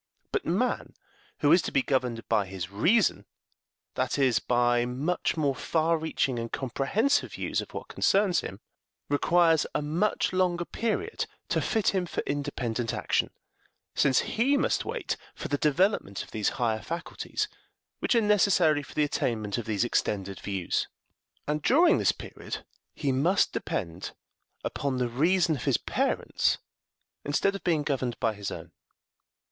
But man, who is to be governed by his reason that is, by much more far reaching and comprehensive views of what concerns him requires a much longer period to fit him for independent action, since he must wait for the development of those higher faculties which are necessary for the attainment of these extended views; and during this period he must depend upon the reason of his parents instead of being governed by his own.